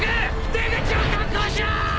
出口を確保しろ！